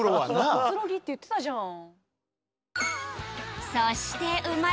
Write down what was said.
くつろぎって言ってたじゃん。